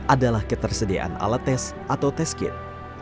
adalah ketersediaan alat tes atau tes kit